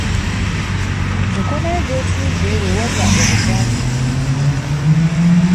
Enkoona yo gy'etunudde we waba obugwanjuba